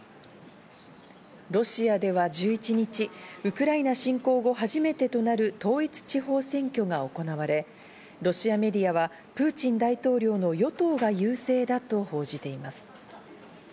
ロシアでは１１日、ウクライナ侵攻後初めてとなる統一地方選挙が行われ、ロシアメディアはプーチン大統領の与党が優勢だと報じています。